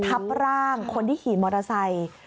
ทับร่างคนที่ขี่มอเตอร์ไซค์